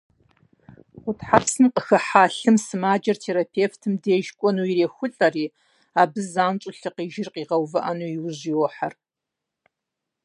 Гъутхьэпсым къыхыхьа лъым сымаджэр терапевтым деж кӏуэну ирехулӏэри, абы занщӏэу лъыкъижыр къигъэувыӏэну иужь йохьэр.